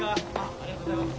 ありがとうございます。